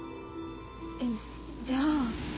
えっじゃあ。